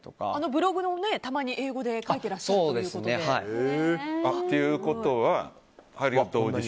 ブログ、たまに英語で書いてらっしゃるということで。